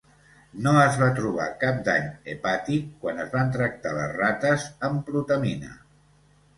No es va trobar cap dany hepàtic quan es van tractar les rates amb protamina.